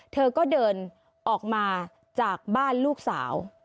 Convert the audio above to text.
เธอก็เดินออกมาจากบ้านลูกสาว